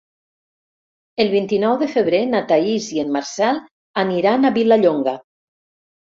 El vint-i-nou de febrer na Thaís i en Marcel aniran a Vilallonga.